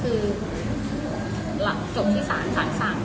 แต่เขาก็จะเป็นแค่ส่วนร้อนมาย